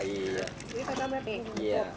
iya makasih pak ya